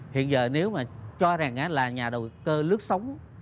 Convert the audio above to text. hiện giờ nếu mà cho ràng là nhà đầu cơ lướt sóng